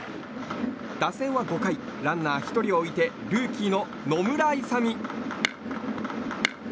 打線は５回ランナー１人を置いてルーキーの野村勇。